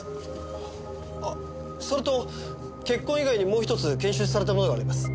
それと血痕以外にもう１つ検出されたものがあります。